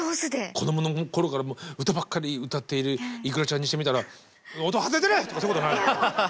子どもの頃から歌ばっかり歌っているｉｋｕｒａちゃんにしてみたら「音外れてる！」とかそういうことないの？